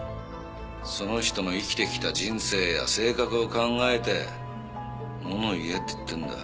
その人の生きてきた人生や性格を考えて物を言えって言ってんだ。